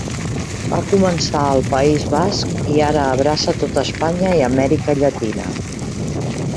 Va començar al País Basc i ara abraça tot Espanya i Amèrica Llatina.